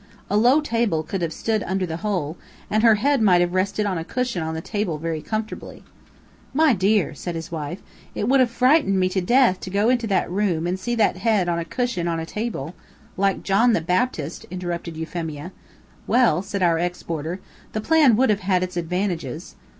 A low table could have stood under the hole, and her head might have rested on a cushion on the table very comfortably." "My dear," said his wife, "it would have frightened me to death to go into that room and see that head on a cushion on a table " "Like John the Baptist," interrupted Euphemia. "Well," said our ex boarder, "the plan would have had its advantages."